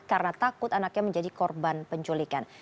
karena takut anaknya menjadi korban penculikan